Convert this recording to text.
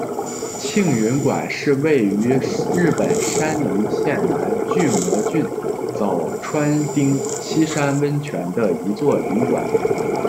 庆云馆是位于日本山梨县南巨摩郡早川町西山温泉的一座旅馆。